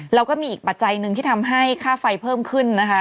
แล้วก็มีอีกปัจจัยหนึ่งที่ทำให้ค่าไฟเพิ่มขึ้นนะคะ